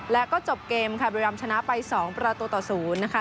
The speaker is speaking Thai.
แล้วก็จบเกมค่ะบิรัมชนะไป๒ประตูตะศูนย์นะคะ